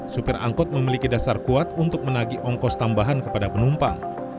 supir angkot memiliki dasar kuat untuk menagi ongkos tambahan kepada penumpang